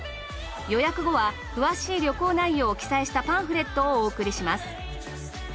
予約後は詳しい旅行内容を記載したパンフレットをお送りします。